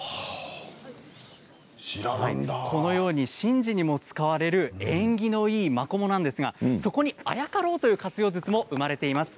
このように神事にも使われる縁起のいいマコモなんですがそこにあやかろうという活用術も生まれています。